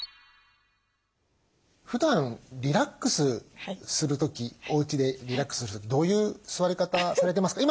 ふだんリラックスする時おうちでリラックスする時どういう座り方されてますか？